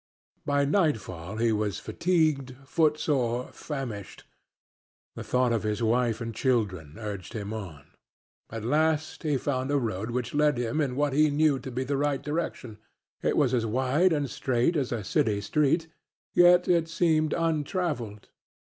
By nightfall he was fatigued, footsore, famishing. The thought of his wife and children urged him on. At last he found a road which led him in what he knew to be the right direction. It was as wide and straight as a city street, yet it seemed untraveled.